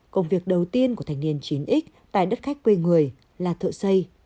công việc đầu tiên của thanh niên chín x tại đất khách quê người là thợ xây